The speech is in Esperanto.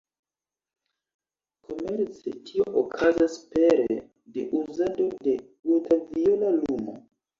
Komerce, tio okazas pere de uzado de ultraviola lumo.